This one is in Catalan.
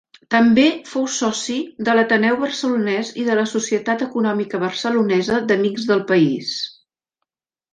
També fou soci de l'Ateneu Barcelonès i de la Societat Econòmica Barcelonesa d'Amics del País.